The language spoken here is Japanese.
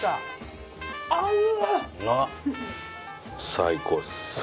最高っす。